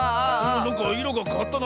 なんかいろがかわったな。